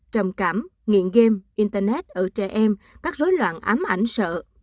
trầm cảm nghiện game internet ở trẻ em các rối loạn ám ảnh sợ